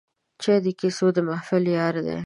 چای د کیسو د محفل یار دی